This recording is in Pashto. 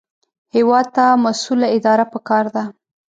هېواد ته مسؤله اداره پکار ده